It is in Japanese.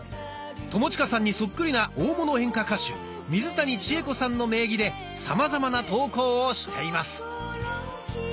友近さんにそっくりな大物演歌歌手水谷千重子さんの名義でさまざまな投稿をしています。